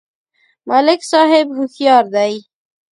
ملک صاحب هوښیار دی.